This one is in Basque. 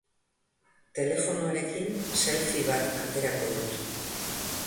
Telefonoarekin selfie bat aterako dut.